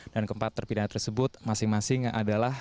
dan keempat terpidana tersebut masing masing adalah